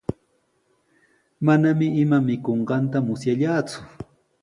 Manami ima mikunqanta musyallaaku.